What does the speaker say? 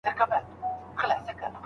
ویره مو په مېړانه له منځه یوسئ.